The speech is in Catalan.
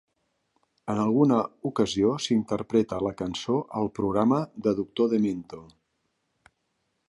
En alguna ocasió s'interpreta la cançó al programa de Doctor Demento.